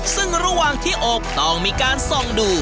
ซึ่งระหว่างที่อบต้องมีการส่องดู